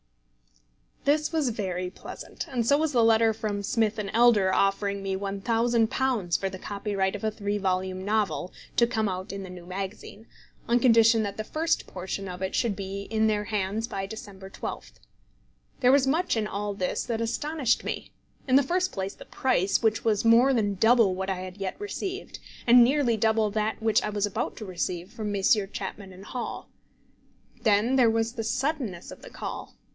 This was very pleasant, and so was the letter from Smith & Elder offering me £1000 for the copyright of a three volume novel, to come out in the new magazine, on condition that the first portion of it should be in their hands by December 12th. There was much in all this that astonished me; in the first place the price, which was more than double what I had yet received, and nearly double that which I was about to receive from Messrs. Chapman & Hall. Then there was the suddenness of the call.